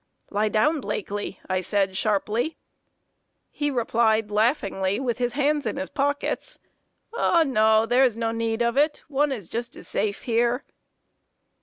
"Lie down, Blakely!" I said, sharply. He replied laughingly, with his hands in his pockets: "O no, there is no need of it; one is just as safe here."